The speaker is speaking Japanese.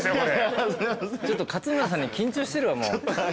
勝村さんに緊張してるわもう。